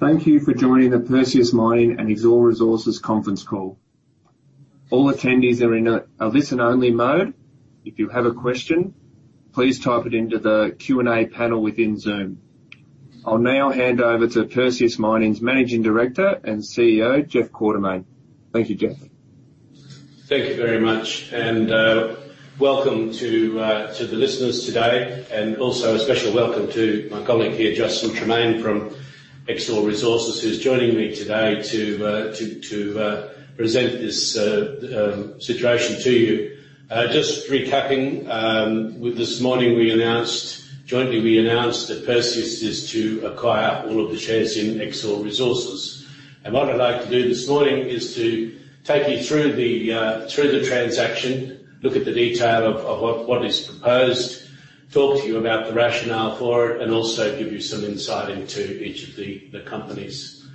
Thank you for joining the Perseus Mining and Exore Resources Conference Call. All attendees are in a listen-only mode. If you have a question, please type it into the Q&A panel within Zoom. I'll now hand over to Perseus Mining's Managing Director and CEO, Jeff Quartermaine. Thank you, Jeff. Thank you very much, and welcome to the listeners today, and also a special welcome to my colleague here, Justin Tremain from Exore Resources, who's joining me today to present this situation to you. Just recapping, this morning we announced jointly, we announced that Perseus is to acquire all of the shares in Exore Resources. And what I'd like to do this morning is to take you through the transaction, look at the detail of what is proposed, talk to you about the rationale for it, and also give you some insight into each of the companies.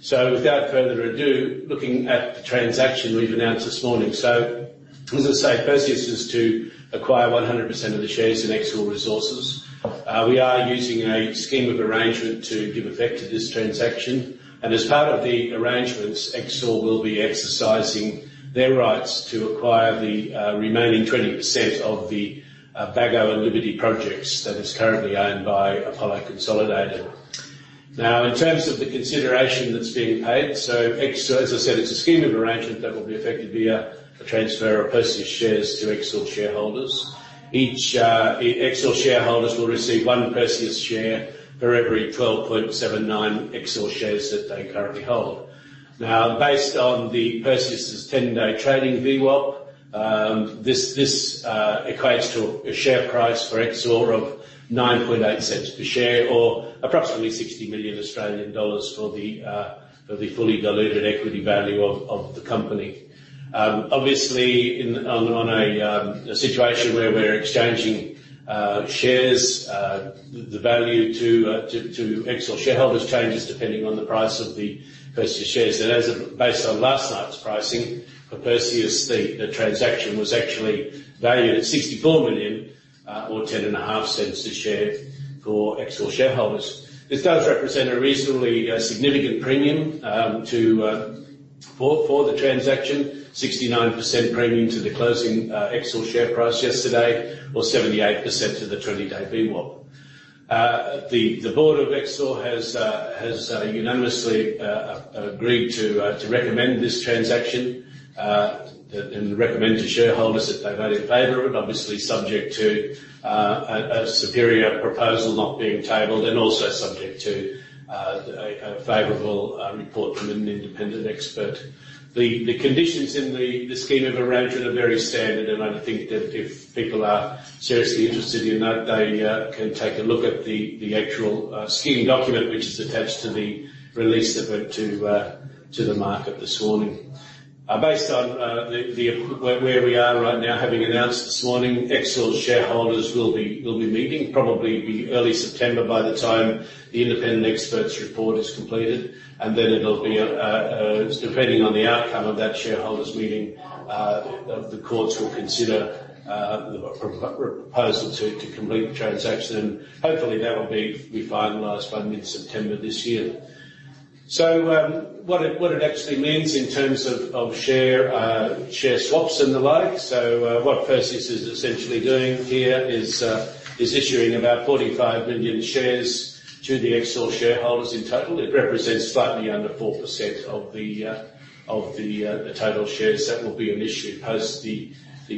So, without further ado, looking at the transaction we've announced this morning. So, as I say, Perseus is to acquire 100% of the shares in Exore Resources. We are using a scheme of arrangement to give effect to this transaction, and as part of the arrangements, Exore will be exercising their rights to acquire the remaining 20% of the Bagoé and Liberty projects that is currently owned by Apollo Consolidated. Now, in terms of the consideration that's being paid, so, Exore as I said, it's a scheme of arrangement that will be effected via a transfer of Perseus shares to Exore shareholders. Each Exore shareholders will receive one Perseus share for every 12.79 Exore shares that they currently hold. Now, based on the Perseus's 10-day trading VWAP, this equates to a share price for Exore of AUD 0.098 per share, or approximately 60 million Australian dollars for the fully diluted equity value of the company. Obviously, in a situation where we're exchanging shares, the value to Exore shareholders changes depending on the price of the Perseus shares. Based on last night's pricing, for Perseus, the transaction was actually valued at 64 million, or 0.105 per share for Exore shareholders. This does represent a reasonably significant premium for the transaction, 69% premium to the closing Exore share price yesterday, or 78% to the 20-day VWAP. The board of Exore has unanimously agreed to recommend this transaction and recommend to shareholders that they vote in favor of it, obviously subject to a superior proposal not being tabled, and also subject to a favorable report from an independent expert. The conditions in the scheme of arrangement are very standard, and I think that if people are seriously interested in that, they can take a look at the actual scheme document which is attached to the release that went to the market this morning. Based on where we are right now, having announced this morning, Exore shareholders will be meeting, probably early September by the time the independent expert's report is completed, and then it'll be, depending on the outcome of that shareholders' meeting, the courts will consider a proposal to complete the transaction, and hopefully that will be finalized by mid-September this year. So, what it actually means in terms of share swaps and the like, so what Perseus is essentially doing here is issuing about 45 million shares to the Exore shareholders in total. It represents slightly under 4% of the total shares that will be initially post the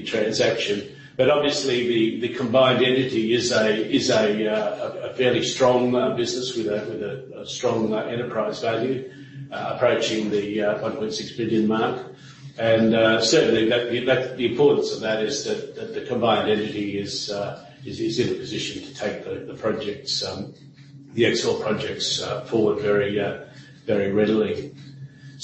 transaction. But obviously, the combined entity is a fairly strong business with a strong enterprise value approaching the 1.6 billion mark, and certainly the importance of that is that the combined entity is in a position to take the projects, the Exore projects, forward very readily.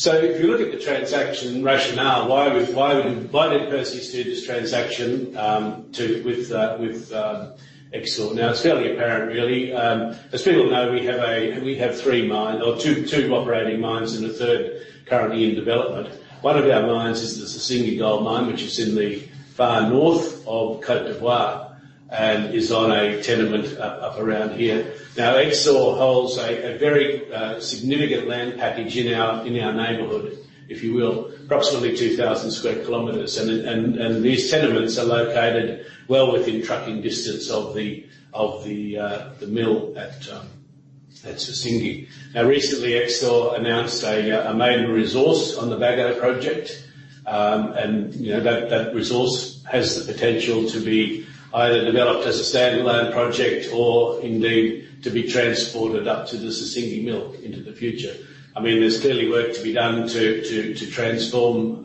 So, if you look at the transaction rationale, why did Perseus do this transaction with Exore? Now, it's fairly apparent, really. As people know, we have three mines, or two operating mines, and a third currently in development. One of our mines is the Sissingué Gold Mine, which is in the far north of Côte d'Ivoire and is on a tenement up around here. Now, Exore holds a very significant land package in our neighborhood, if you will, approximately 2,000 sq km, and these tenements are located well within trucking distance of the mill at Sissingué. Now, recently, Exore announced a maiden resource on the Bagoé project, and that resource has the potential to be either developed as a standalone project or indeed to be transported up to the Sissingué Mill into the future. I mean, there's clearly work to be done to transform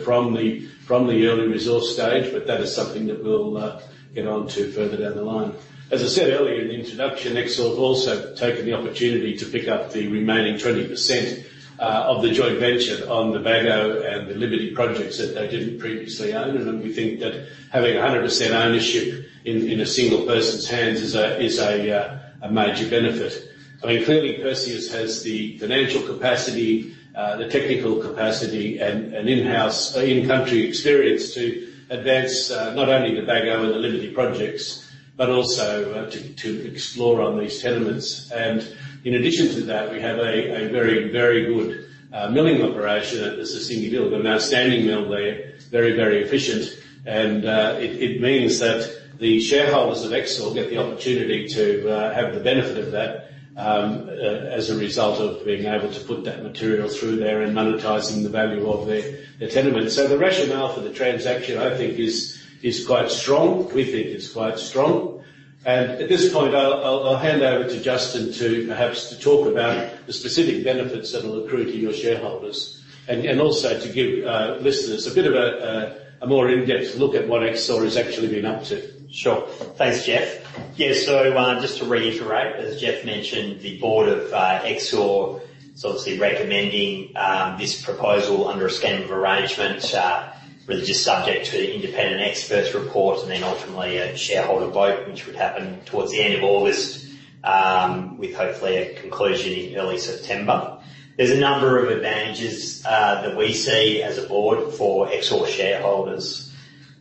from the early resource stage, but that is something that we'll get on to further down the line. As I said earlier in the introduction, Exore has also taken the opportunity to pick up the remaining 20% of the joint venture on the Bagoé and the Liberty projects that they didn't previously own, and we think that having 100% ownership in a single person's hands is a major benefit. I mean, clearly, Perseus has the financial capacity, the technical capacity, and in-country experience to advance not only the Bagoé and the Liberty projects, but also to explore on these tenements. And in addition to that, we have a very, very good milling operation at the Sissingué Mill, an outstanding mill there, very, very efficient, and it means that the shareholders of Exore get the opportunity to have the benefit of that as a result of being able to put that material through there and monetizing the value of their tenements. So, the rationale for the transaction, I think, is quite strong. We think it's quite strong. And at this point, I'll hand over to Justin to perhaps talk about the specific benefits that will accrue to your shareholders, and also to give listeners a bit of a more in-depth look at what Exore has actually been up to. Sure. Thanks, Jeff. Yeah, so just to reiterate, as Jeff mentioned, the board of Exore is obviously recommending this proposal under a scheme of arrangement, really just subject to the independent expert's report and then ultimately a shareholder vote, which would happen towards the end of August with hopefully a conclusion in early September. There's a number of advantages that we see as a board for Exore shareholders.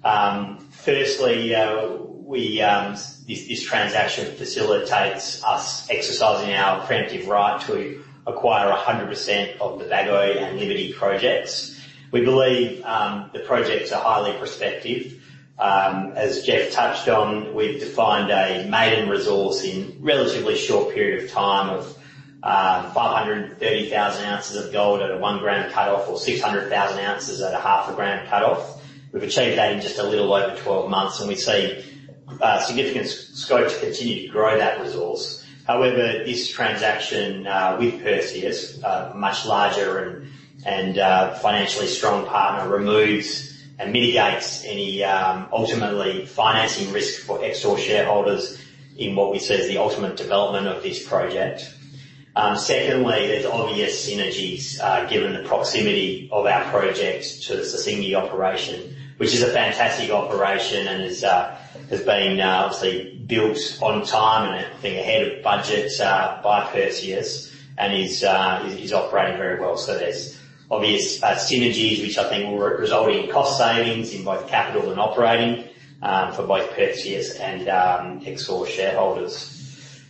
Firstly, this transaction facilitates us exercising our preemptive right to acquire 100% of the Bagoé and Liberty projects. We believe the projects are highly prospective. As Jeff touched on, we've defined a maiden resource in a relatively short period of time of 530 thousand oz of gold at a one-gram cutoff or 600 thousand oz at a half a gram cutoff. We've achieved that in just a little over 12 months, and we see significant scope to continue to grow that resource. However, this transaction with Perseus, a much larger and financially strong partner, removes and mitigates any ultimately financing risk for Exore shareholders in what we see as the ultimate development of this project. Secondly, there's obvious synergies given the proximity of our project to the Sissingué operation, which is a fantastic operation and has been obviously built on time and I think ahead of budget by Perseus and is operating very well. So, there's obvious synergies, which I think will result in cost savings in both capital and operating for both Perseus and Exore shareholders.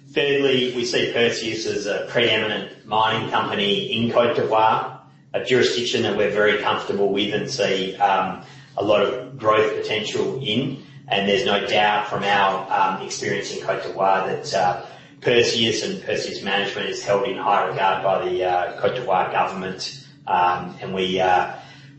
Thirdly, we see Perseus as a preeminent mining company in Côte d'Ivoire, a jurisdiction that we're very comfortable with and see a lot of growth potential in, and there's no doubt from our experience in Côte d'Ivoire that Perseus and Perseus Management is held in high regard by the Côte d'Ivoire government. And we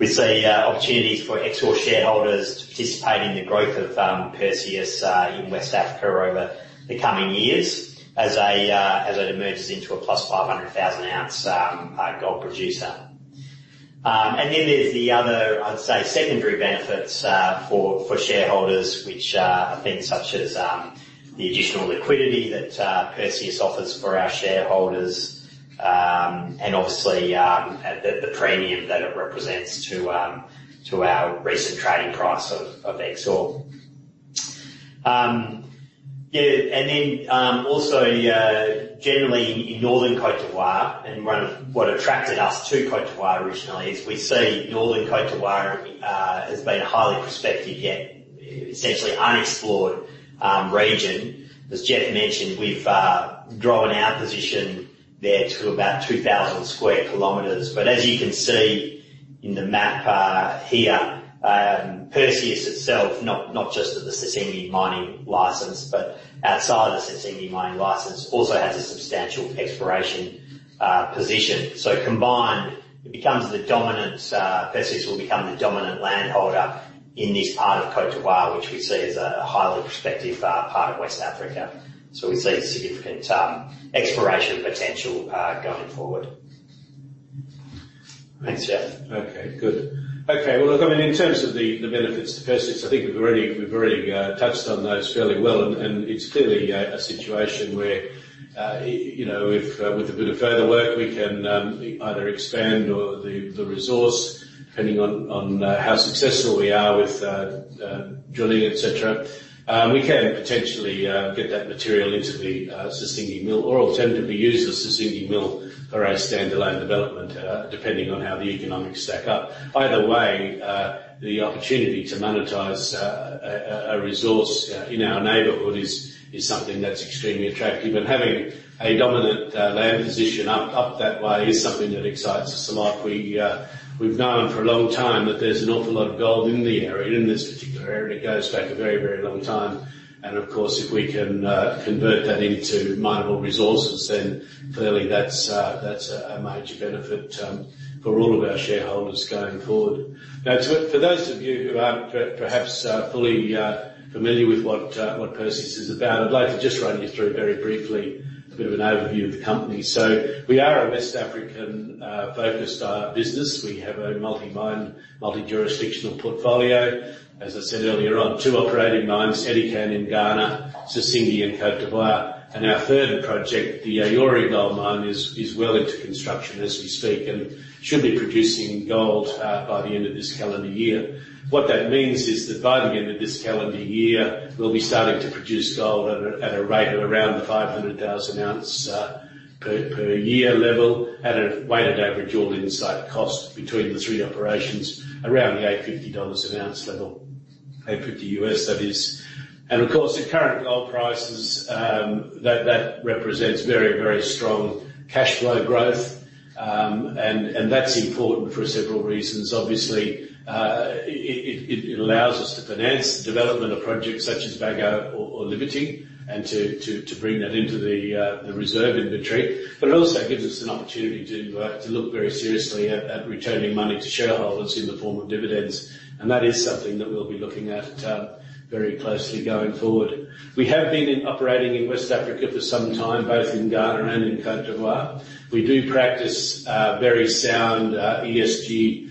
see opportunities for Exore shareholders to participate in the growth of Perseus in West Africa over the coming years as it emerges into a plus 500 thousand oz gold producer. Then there's the other, I'd say, secondary benefits for shareholders, which are things such as the additional liquidity that Perseus offers for our shareholders and obviously the premium that it represents to our recent trading price of Exore. Yeah, and then also generally in northern Côte d'Ivoire, and what attracted us to Côte d'Ivoire originally is we see northern Côte d'Ivoire has been a highly prospective yet essentially unexplored region. As Jeff mentioned, we've grown our position there to about 2,000 sq km, but as you can see in the map here, Perseus itself, not just at the Sissingué Mining license, but outside the Sissingué Mining license, also has a substantial exploration position. So combined, it becomes the dominant. Perseus will become the dominant landholder in this part of Côte d'Ivoire, which we see as a highly prospective part of West Africa. So, we see significant exploration potential going forward. Thanks, Jeff. Okay, good. Okay, well, look, I mean, in terms of the benefits to Perseus, I think we've already touched on those fairly well, and it's clearly a situation where with a bit of further work, we can either expand the resource depending on how successful we are with drilling, etc. We can potentially get that material into the Sissingué Mill or alternatively use the Sissingué Mill for a standalone development depending on how the economics stack up. Either way, the opportunity to monetize a resource in our neighborhood is something that's extremely attractive, and having a dominant land position up that way is something that excites us a lot. We've known for a long time that there's an awful lot of gold in the area, in this particular area. It goes back a very, very long time, and of course, if we can convert that into minable resources, then clearly that's a major benefit for all of our shareholders going forward. Now, for those of you who aren't perhaps fully familiar with what Perseus is about, I'd like to just run you through very briefly a bit of an overview of the company. So, we are a West African-focused business. We have a multi-mine, multi-jurisdictional portfolio. As I said earlier on, two operating mines: Edikan in Ghana, Sissingué in Côte d'Ivoire, and our third project, the Yaouré Gold Mine, is well into construction as we speak and should be producing gold by the end of this calendar year. What that means is that by the end of this calendar year, we'll be starting to produce gold at a rate of around 500 thousand oz per year level at a weighted average all-in site cost between the three operations around the $850 an ounce level, $850 US, that is, and of course, the current gold prices, that represents very, very strong cash flow growth, and that's important for several reasons. Obviously, it allows us to finance the development of projects such as Bagoé or Liberty and to bring that into the reserve inventory, but it also gives us an opportunity to look very seriously at returning money to shareholders in the form of dividends, and that is something that we'll be looking at very closely going forward. We have been operating in West Africa for some time, both in Ghana and in Côte d'Ivoire. We do practice very sound ESG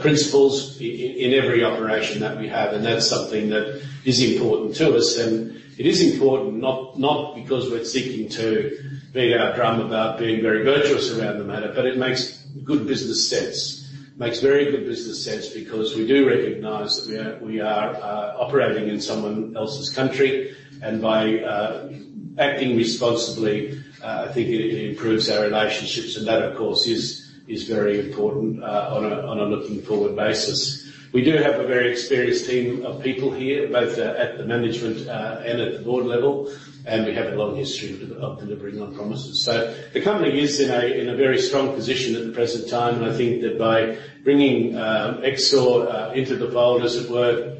principles in every operation that we have, and that's something that is important to us, and it is important not because we're seeking to beat our drum about being very virtuous around the matter, but it makes good business sense. It makes very good business sense because we do recognize that we are operating in someone else's country, and by acting responsibly, I think it improves our relationships, and that, of course, is very important on a looking-forward basis. We do have a very experienced team of people here, both at the management and at the board level, and we have a long history of delivering on promises. So, the company is in a very strong position at the present time, and I think that by bringing Exore into the fold, as it were,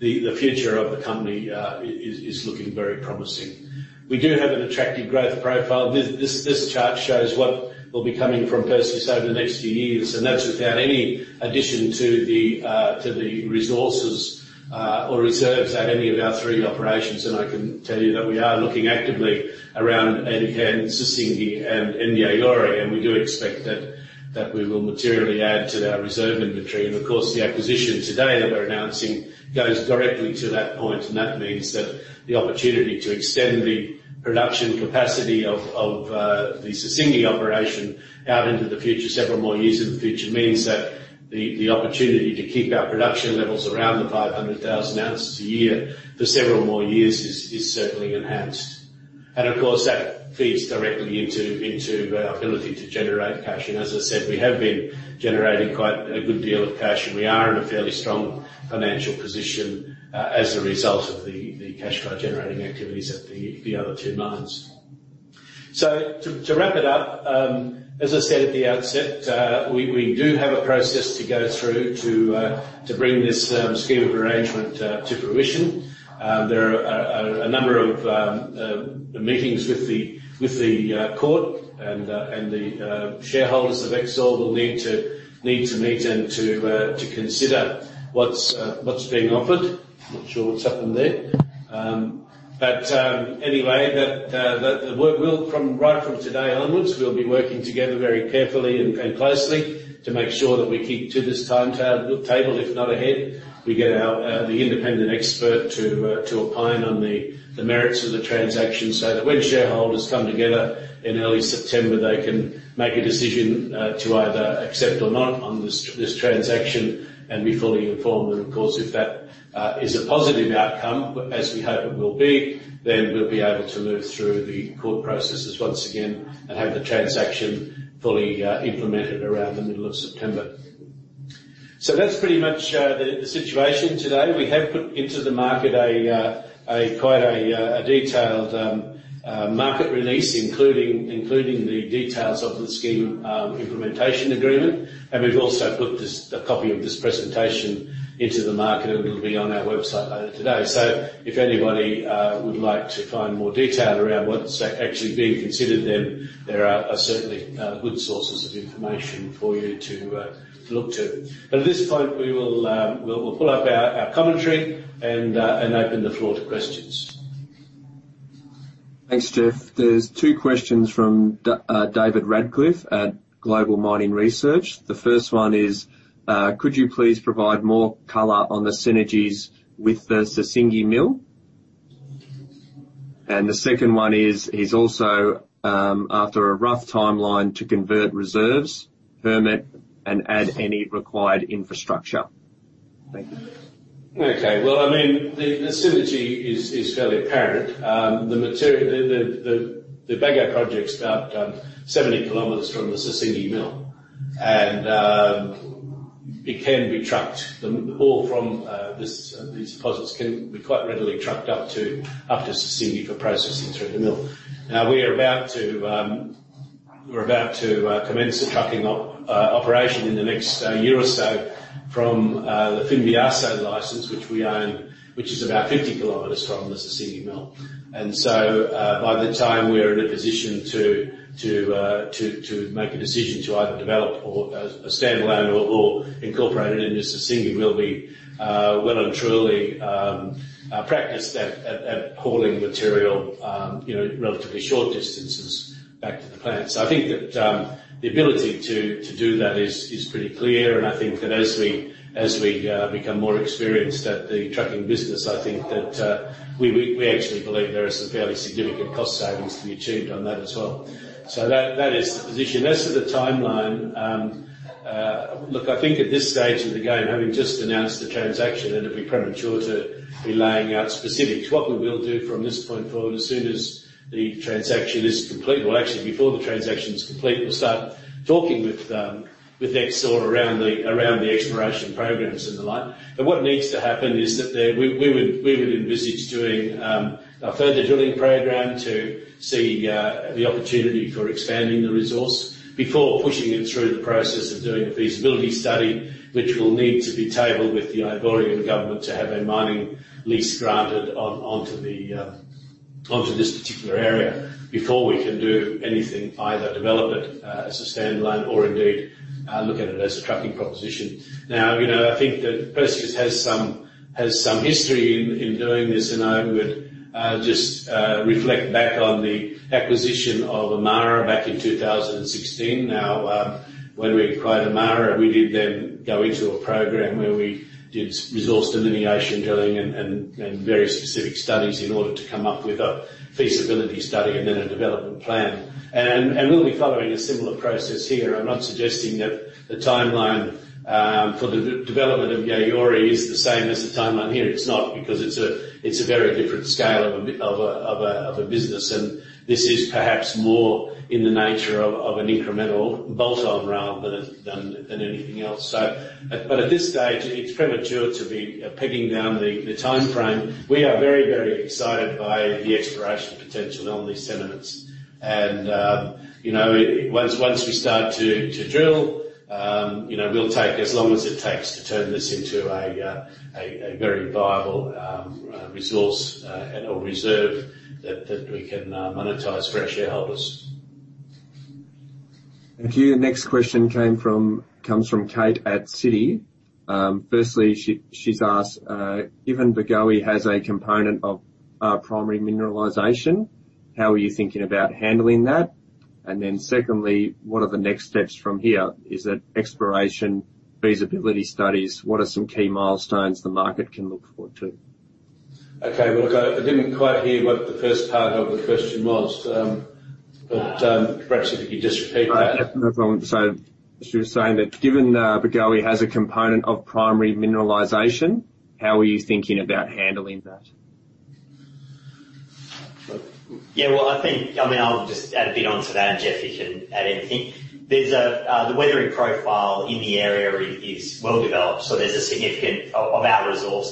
the future of the company is looking very promising. We do have an attractive growth profile. This chart shows what will be coming from Perseus over the next few years, and that's without any addition to the resources or reserves at any of our three operations, and I can tell you that we are looking actively around Edikan, Sissingué, and Yaouré, and we do expect that we will materially add to our reserve inventory. And of course, the acquisition today that we're announcing goes directly to that point, and that means that the opportunity to extend the production capacity of the Sissingué operation out into the future, several more years in the future, means that the opportunity to keep our production levels around the 500 thousand oz a year for several more years is certainly enhanced. And of course, that feeds directly into our ability to generate cash, and as I said, we have been generating quite a good deal of cash, and we are in a fairly strong financial position as a result of the cash flow generating activities at the other two mines. So, to wrap it up, as I said at the outset, we do have a process to go through to bring this scheme of arrangement to fruition. There are a number of meetings with the court, and the shareholders of Exore will need to meet and to consider what's being offered. I'm not sure what's happened there. But anyway, right from today onwards, we'll be working together very carefully and closely to make sure that we keep to this timetable, if not ahead. We get the independent expert to opine on the merits of the transaction so that when shareholders come together in early September, they can make a decision to either accept or not on this transaction and be fully informed, and of course, if that is a positive outcome, as we hope it will be, then we'll be able to move through the court processes once again and have the transaction fully implemented around the middle of September. So that's pretty much the situation today. We have put into the market quite a detailed market release, including the details of the scheme implementation agreement, and we've also put a copy of this presentation into the market, and it'll be on our website later today, so if anybody would like to find more detail around what's actually being considered, then there are certainly good sources of information for you to look to. But at this point, we will pull up our commentary and open the floor to questions. Thanks, Jeff. There are two questions from David Radclyffe at Global Mining Research. The first one is, "Could you please provide more color on the synergies with the Sissingué Mill?" And the second one is, "He's also after a rough timeline to convert reserves, permit, and add any required infrastructure." Thank you. Okay, well, I mean, the synergy is fairly apparent. The Bagoé Project's about 70 km from the Sissingué Mill, and it can be trucked. All from these deposits can be quite readily trucked up to Sissingué for processing through the mill. Now, we are about to commence the trucking operation in the next year or so from the Fimbiasso license, which we own, which is about 50 km from the Sissingué Mill. And so, by the time we are in a position to make a decision to either develop a standalone or incorporate it into Sissingué, we'll be well and truly practiced at hauling material relatively short distances back to the plant. So, I think that the ability to do that is pretty clear, and I think that as we become more experienced at the trucking business, I think that we actually believe there are some fairly significant cost savings to be achieved on that as well. So that is the position. As for the timeline, look, I think at this stage of the game, having just announced the transaction, it'll be premature to be laying out specifics. What we will do from this point forward, as soon as the transaction is complete, or actually before the transaction's complete, we'll start talking with Exore around the exploration programs and the like. But what needs to happen is that we would envisage doing a further drilling program to see the opportunity for expanding the resource before pushing it through the process of doing a feasibility study, which will need to be tabled with the Yaouré government to have a mining lease granted onto this particular area before we can do anything, either develop it as a standalone or indeed look at it as a trucking proposition. Now, I think that Perseus has some history in doing this, and I would just reflect back on the acquisition of Amara back in 2016. Now, when we acquired Amara, we did then go into a program where we did resource delineation drilling and very specific studies in order to come up with a feasibility study and then a development plan. And we'll be following a similar process here. I'm not suggesting that the timeline for the development of Yaouré is the same as the timeline here. It's not because it's a very different scale of a business, and this is perhaps more in the nature of an incremental bolt-on rather than anything else. But at this stage, it's premature to be pegging down the timeframe. We are very, very excited by the exploration potential on these tenements, and once we start to drill, we'll take as long as it takes to turn this into a very viable resource or reserve that we can monetize for our shareholders. Thank you. The next question comes from Kate at Citi. Firstly, she's asked, "If the Bagoé has a component of primary mineralization, how are you thinking about handling that?" And then secondly, "What are the next steps from here? Is it exploration, feasibility studies? What are some key milestones the market can look forward to? Okay, well, look, I didn't quite hear what the first part of the question was, but perhaps if you could just repeat that. No problem. So, she was saying that, "If the Bagoé has a component of primary mineralization, how are you thinking about handling that? Yeah, well, I think, I mean, I'll just add a bit onto that, and Jeff, you can add anything. The weathering profile in the area is well developed, so there's a significant component of our resource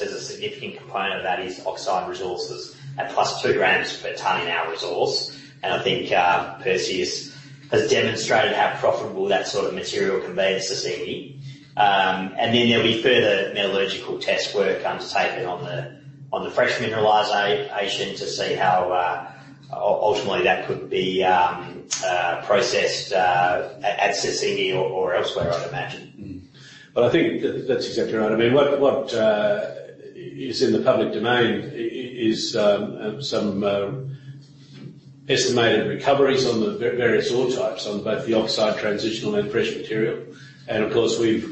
that is oxide resources at plus two grams per ton in our resource, and I think Perseus has demonstrated how profitable that sort of material can be at Sissingué. And then there'll be further metallurgical test work undertaken on the fresh mineralization to see how ultimately that could be processed at Sissingué or elsewhere, I'd imagine. I think that's exactly right. I mean, what is in the public domain is some estimated recoveries on the various ore types on both the oxide transitional and fresh material, and of course, we've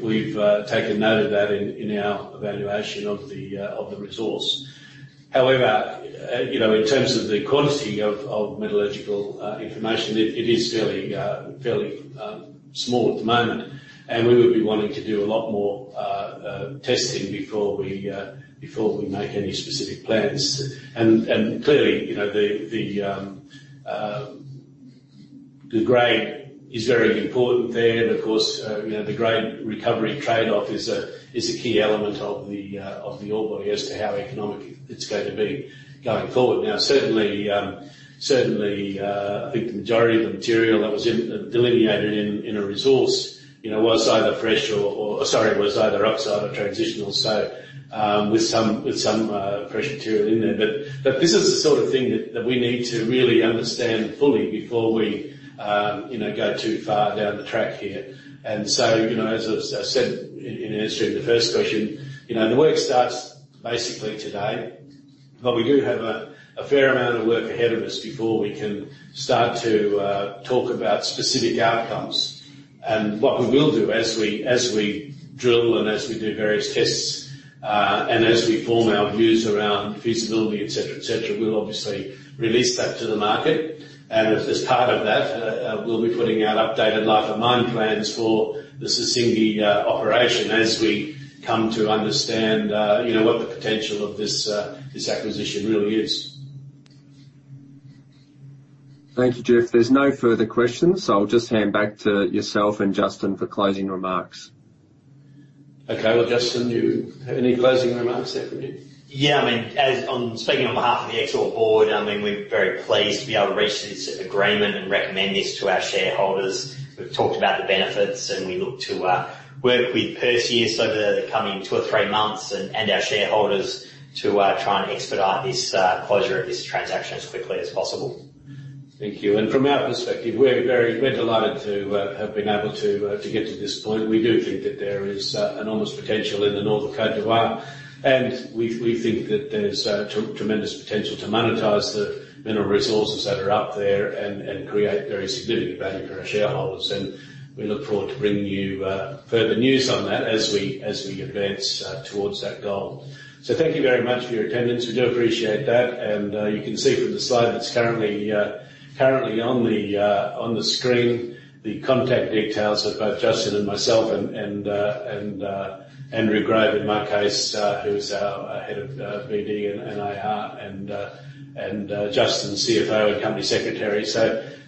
taken note of that in our evaluation of the resource. However, in terms of the quality of metallurgical information, it is fairly small at the moment, and we would be wanting to do a lot more testing before we make any specific plans. And clearly, the grade is very important there, and of course, the grade recovery trade-off is a key element of the ore body as to how economic it's going to be going forward. Now, certainly, I think the majority of the material that was delineated in a resource was either fresh or, sorry, was either oxide or transitional, so with some fresh material in there. But this is the sort of thing that we need to really understand fully before we go too far down the track here. And so, as I said in answering the first question, the work starts basically today, but we do have a fair amount of work ahead of us before we can start to talk about specific outcomes. And what we will do as we drill and as we do various tests and as we form our views around feasibility, etc., etc., we'll obviously release that to the market, and as part of that, we'll be putting out updated life-of-mine plans for the Sissingué operation as we come to understand what the potential of this acquisition really is. Thank you, Jeff. There's no further questions, so I'll just hand back to yourself and Justin for closing remarks. Okay, well, Justin, do you have any closing remarks there from you? Yeah, I mean, speaking on behalf of the Exore Board, I mean, we're very pleased to be able to reach this agreement and recommend this to our shareholders. We've talked about the benefits, and we look to work with Perseus over the coming two or three months and our shareholders to try and expedite this closure of this transaction as quickly as possible. Thank you. And from our perspective, we're delighted to have been able to get to this point. We do think that there is enormous potential in the north of Côte d'Ivoire, and we think that there's tremendous potential to monetize the mineral resources that are up there and create very significant value for our shareholders. And we look forward to bringing you further news on that as we advance towards that goal. So, thank you very much for your attendance. We do appreciate that, and you can see from the slide that's currently on the screen the contact details of both Justin and myself and Andrew Grove, in my case, who is our head of BD and IR, and Justin, CFO and company secretary.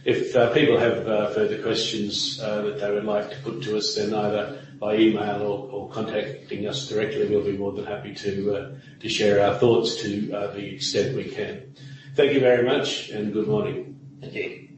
If people have further questions that they would like to put to us, then either by email or contacting us directly, we'll be more than happy to share our thoughts to the extent we can. Thank you very much, and good morning. Thank you.